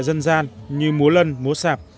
dân gian như múa lân múa sạp